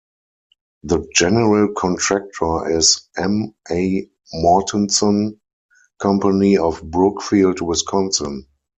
The General Contractor is M. A. Mortenson Company of Brookfield, Wisconsin.